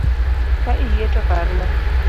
Ka iyie to parna